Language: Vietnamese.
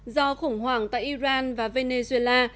do khủng hoảng tại iran và venezuela